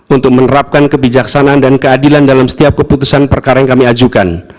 untuk menerapkan kebijaksanaan dan keadilan dalam setiap keputusan perkara yang kami ajukan